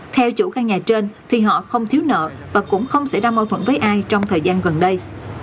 theo chủ căn nhà trên thì họ không thiếu nợ và cũng không xảy ra mâu thuẫn với ai trong thời gian gần đây